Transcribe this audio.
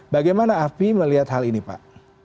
bagaimana afi melihat hal ini pak